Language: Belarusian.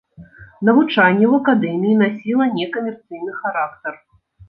Навучанне ў акадэміі насіла некамерцыйны характар.